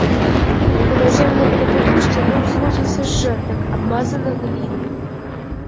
У наземных пабудоў сцяны ўзводзіліся з жэрдак, абмазаных глінай.